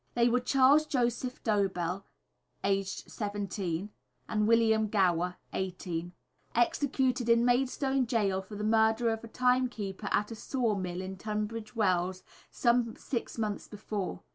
They were Charles Joseph Dobell (aged 17) and William Gower (18), executed in Maidstone Gaol for the murder of a time keeper at a saw mill in Tunbridge Wells some six months before.